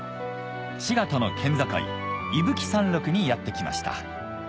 滋賀との県境伊吹山麓にやって来ました